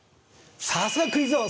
さすがクイズ王！